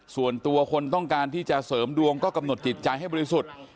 ส่วนตัวคนต้องการที่จะเสริมดวงก็กำหนดจิตใจให้บริสุทธิ์